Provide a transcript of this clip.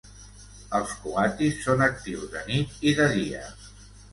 Els coatis són actius de nit i de dia.